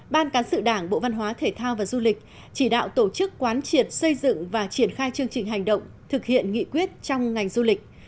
một ban cán sự đảng bộ văn hóa thể thao và du lịch chỉ đạo tổ chức quán triệt xây dựng và triển khai chương trình hành động thực hiện nghị quyết trong ngành du lịch